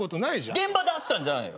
現場で会ったんじゃないよ。